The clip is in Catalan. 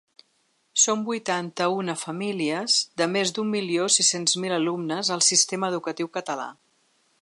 Són vuitanta-una famílies, de més d’un milions sis-cents mil alumnes al sistema educatiu català.